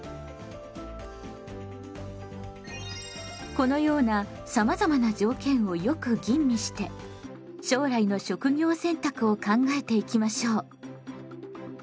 このようなさまざまな条件をよく吟味して将来の職業選択を考えていきましょう。